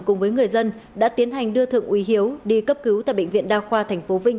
cùng với người dân đã tiến hành đưa thượng úy hiếu đi cấp cứu tại bệnh viện đa khoa tp vinh